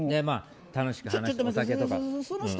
楽しく話してお酒とか。